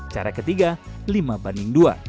cara ketiga lima banding dua